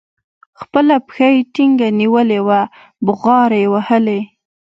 خپله پښه يې ټينګه نيولې وه بوغارې يې وهلې.